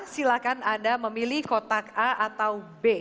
silahkan anda memilih kotak a atau b